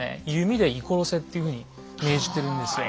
弓で射殺せっていうふうに命じてるんですよ。